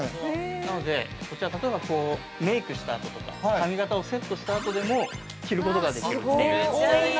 なので、こちら、例えば、メイクしたあととか、髪形をセットしたあとでも着ることができる。